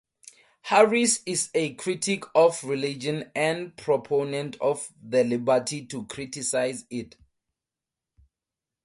Harris is a critic of religion and proponent of the liberty to criticize it.